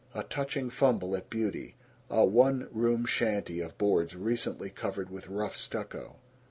A touching fumble at beauty. A one room shanty of boards recently covered with rough stucco.